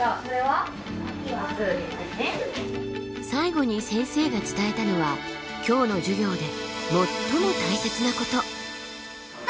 最後に先生が伝えたのは今日の授業で最も大切なこと。